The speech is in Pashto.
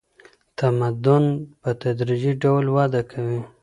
تمدن په تدریجي ډول وده کوي.